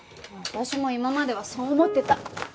私も今まではそう思ってた。